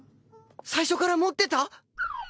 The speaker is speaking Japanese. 最初から持ってた？